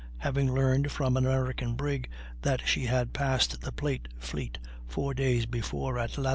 Having learned from an American brig that she had passed the plate fleet four days before in lat.